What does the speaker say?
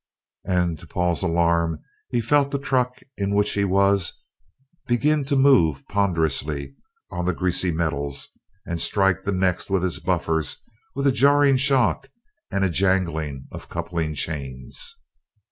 And to Paul's alarm he felt the truck in which he was begin to move ponderously on the greasy metals, and strike the next with its buffers with a jarring shock and a jangling of coupling chains.